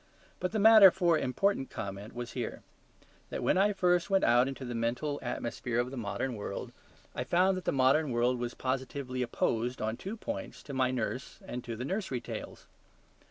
But the matter for important comment was here: that when I first went out into the mental atmosphere of the modern world, I found that the modern world was positively opposed on two points to my nurse and to the nursery tales.